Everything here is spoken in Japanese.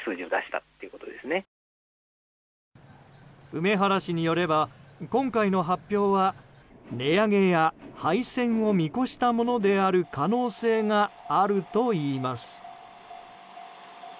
梅原氏によれば今回の発表は値上げや廃線を見越したものである可能性があるといいます。